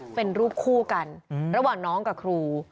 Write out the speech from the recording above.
เป็นรูปคู่กันระหว่างน้องกับครู